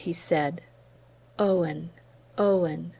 he said. "Owen Owen!"